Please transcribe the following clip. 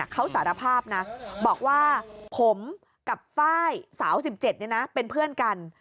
เขาสารภาพนะบอกว่าผมกับไฟล์สาว๑๗เป็นเพื่อนกัน